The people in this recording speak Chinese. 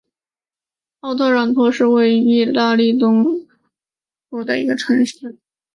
奥特朗托是位于义大利东南部普利亚大区莱切省的一个城市。